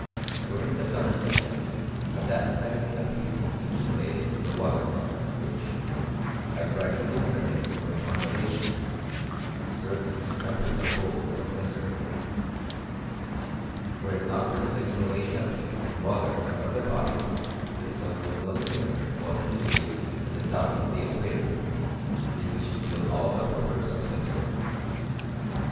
During the summer season a vast magazine of heat was accumu lated in the water^ which, by gradually emerging VOL. I. V 322 BISTOKT OF CnEMXSTRT. during congelation, serves to temper the cold of wint^. Were it not for this accumulation of heat in water and other bodies, the sun would no sooner go a few degrees to the south of the equator, than we should feel all the horrors of winter.